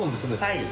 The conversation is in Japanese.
はい。